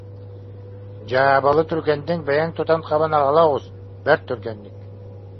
Дьаабалы түргэнник бэйэҥ тутан-хабан аҕала оҕус, бэрт түргэнник